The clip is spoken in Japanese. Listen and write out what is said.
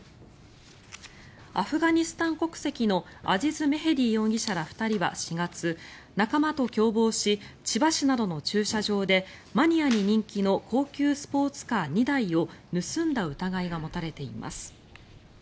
アフガニスタン国籍のアズィズ・メヘディ容疑者ら２人は、４月仲間と共謀し千葉市などの駐車場でマニアに人気の高級スポーツカー２台を盗んだ疑いが持たれています。